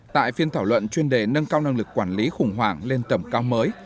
tại phiên thảo luận chuyên đề nâng cao năng lực quản lý khủng hoảng lên tầm cao mới